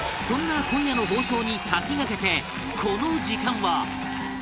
そんな今夜の放送に先駆けてこの時間は